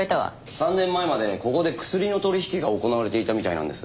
３年前までここでクスリの取引が行われていたみたいなんです。